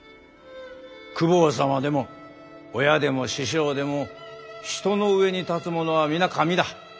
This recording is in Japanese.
公方様でも親でも師匠でも人の上に立つものは皆上だ。